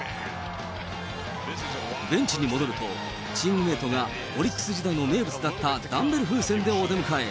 ベンチに戻ると、チームメートがオリックス時代の名物だったダンベル風船でお出迎え。